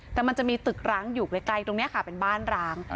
แต่มันจะมีตึกร้างอยู่ไกลตรงนี้ค่ะเป็นบ้านร้าง